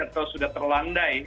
atau sudah terlandai